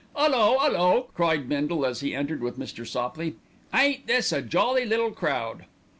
"'Ullo, 'ullo!" cried Bindle as he entered with Mr. Sopley. "Ain't this a jolly little crowd!"